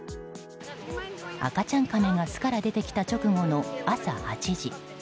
赤ちゃんカメが巣から出てきた直後の朝８時。